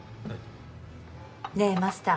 ねえマスター。